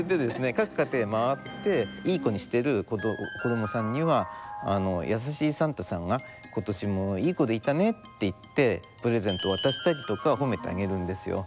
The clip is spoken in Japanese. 各家庭回って良い子にしてる子どもさんには優しいサンタさんが今年も良い子でいたねって言ってプレゼントを渡したりとか褒めてあげるんですよ。